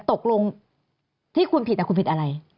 ตกลงที่คุณผิดคุณผิดอะไร